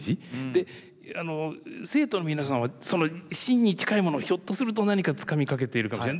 で生徒の皆さんはその真に近いものをひょっとすると何かつかみかけているかもしれない。